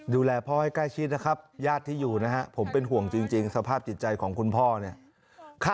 ดูแลพ่อให้ใกล้ชิดนะครับญาติที่อยู่นะฮะผมเป็นห่วงจริงสภาพจิตใจของคุณพ่อเนี่ย